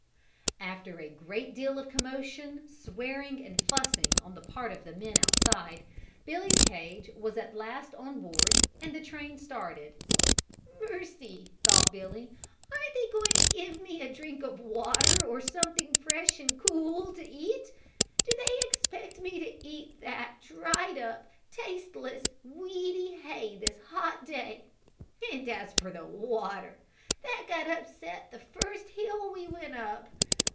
After a great deal of commotion, swearing and fussing on the part of the men outside, Billy's cage was at last on board and the train started. "Mercy!" thought Billy, "aren't they going to give me a drink of water or something fresh and cool to eat? Do they expect me to eat that dried up, tasteless, weedy hay this hot day; and as for the water, that got upset the first hill we went up.